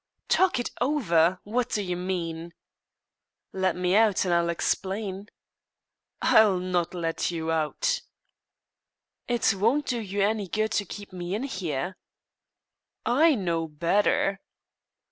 "Talk it over? What do you mean?" "Let me out, and I'll explain." "I'll not let you out." "It won't do you any good to keep me in here." "I know better."